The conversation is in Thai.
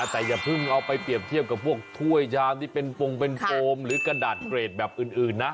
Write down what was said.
แต่อย่าเพิ่งเอาไปเปรียบเทียบกับพวกถ้วยชามที่เป็นโปรงเป็นโฟมหรือกระดาษเกรดแบบอื่นนะ